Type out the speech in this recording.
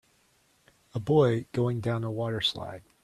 A boy going down a water slide.